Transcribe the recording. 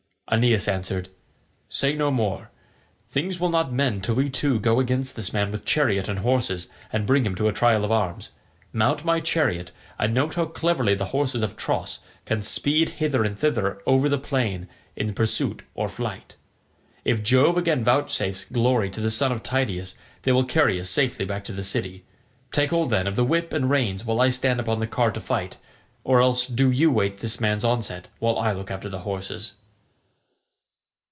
Aeneas answered, "Say no more. Things will not mend till we two go against this man with chariot and horses and bring him to a trial of arms. Mount my chariot, and note how cleverly the horses of Tros can speed hither and thither over the plain in pursuit or flight. If Jove again vouchsafes glory to the son of Tydeus they will carry us safely back to the city. Take hold, then, of the whip and reins while I stand upon the car to fight, or else do you wait this man's onset while I look after the horses."